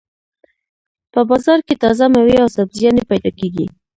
په بازار کې تازه مېوې او سبزيانې پیدا کېږي.